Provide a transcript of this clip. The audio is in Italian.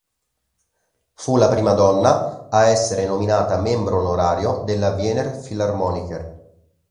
Fu la prima donna a essere nominata membro onorario della Wiener Philharmoniker.